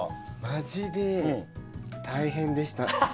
マジで大変でした。